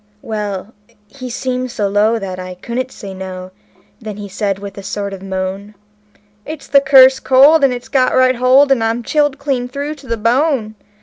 Well, he seemed so low that I couldn't say no; then he says with a sort of moan: "It's the cursed cold, and it's got right hold till I'm chilled clean through to the bone.